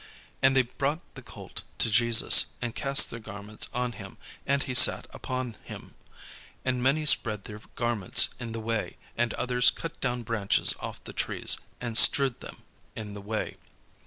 And they brought the colt to Jesus, and cast their garments on him; and he sat upon him. And many spread their garments in the way: and others cut down branches off the trees, and strawed [Transcriber's note: strewed?] them in the way.